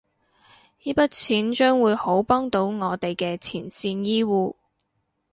依筆錢將會好幫到我哋嘅前線醫護